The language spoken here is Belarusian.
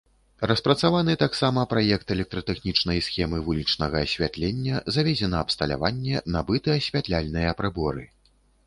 Распрацаваны таксама праект электратэхнічнай схемы вулічнага асвятлення, завезена абсталяванне, набыты асвятляльныя прыборы.